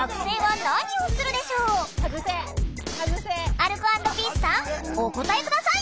アルコ＆ピースさんお答え下さい！